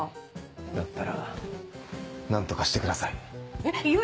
だったら何とかしてください。